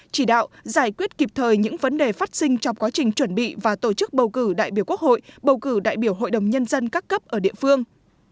chỉ đạo giải quyết kịp thời những vấn đề phát sinh trong quá trình chuẩn bị và tổ chức bầu cử đại biểu quốc hội bầu cử đại biểu hội đồng nhân dân các cấp ở địa phương